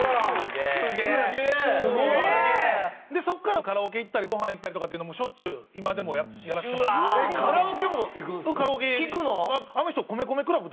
そこからカラオケ行ったりごはん行ったりとかっていうのもしょっちゅう今でもやらせてもらって。